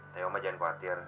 tapi oma jangan khawatir